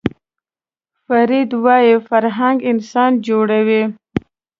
فروید وايي فرهنګ انسان جوړوي